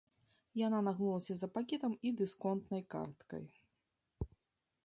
Яна нагнулася за пакетам і дысконтнай карткай.